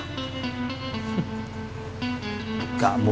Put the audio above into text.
gak mungkin dia kabur